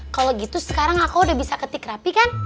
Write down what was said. kalau gitu sekarang aku udah bisa ketik rapi kan